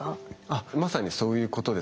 あっまさにそういうことです。